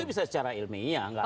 itu bisa secara ilmiah